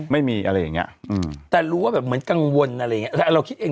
ไม่มีอะไรอย่างเงี้ยอืมแต่รู้ว่าแบบเหมือนกังวลอะไรอย่างเงี้แต่เราคิดเอง